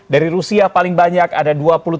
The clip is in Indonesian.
dari rusia paling banyak ada dua puluh tujuh